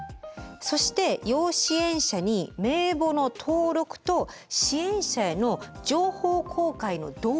そして要支援者に名簿の登録と支援者への情報公開の同意を得ます。